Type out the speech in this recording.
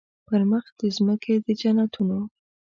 پر مخ د مځکي د جنتونو